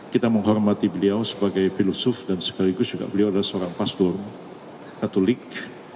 kita menghormati beliau sebagai filosuf dan sekaligus juga beliau adalah seorang pastor katolik